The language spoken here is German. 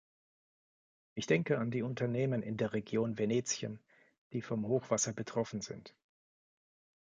Ich denke an die Unternehmen in der Region Venetien, die vom Hochwasser betroffen sind.